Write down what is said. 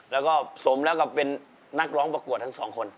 แล้วก็สมแล้วก็เป็นนักร้องประกวดทั้งสองคน